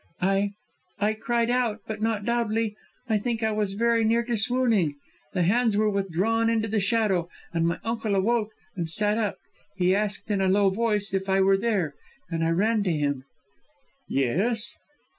"I I cried out, but not loudly I think I was very near to swooning. The hands were withdrawn into the shadow, and my uncle awoke and sat up. He asked, in a low voice, if I were there, and I ran to him." "Yes."